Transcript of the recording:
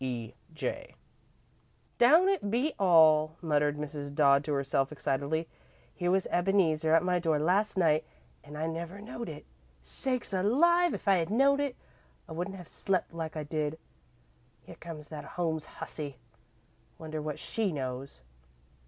"E. J." "Don't it beat all," muttered Mrs. Dodd to herself, excitedly. "Here was Ebeneezer at my door last night, an' I never knowed it. Sakes alive, if I had knowed it, I wouldn't have slep' like I did. Here comes that Holmes hussy. Wonder what she knows!"